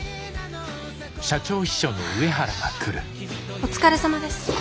お疲れさまです。